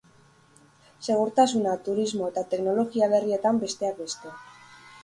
Segurtasuna, turismo eta teknologia berrietan besteak beste.